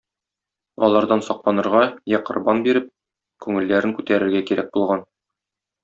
Алардан сакланырга, я корбан биреп, күңелләрен күтәрергә кирәк булган.